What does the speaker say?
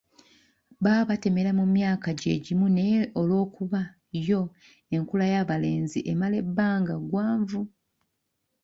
Baba batemera mu myaka gye gimu naye olw'okuba yo enkula y'abalenzi emala ebbanga ggwanvu.